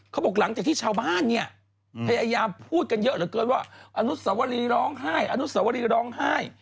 เขาบอกหลังจากที่ชาวบ้านเนี่ยก็พูดกันเยอะแหละเกินว่าอานุสวรีร้องไห้